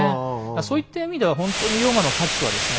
そういった意味では本当に龍馬の価値はですね